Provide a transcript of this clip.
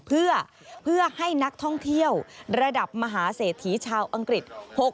เพื่อให้นักท่องเที่ยวระดับมหาเศรษฐีชาวอังกฤษ